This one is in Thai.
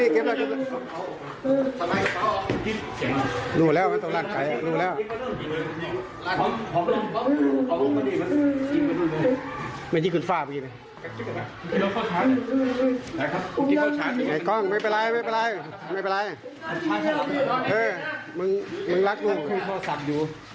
ขอโทษมาดีมากินมาดูเลย